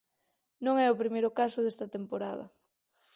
Non é o primeiro caso desta temporada.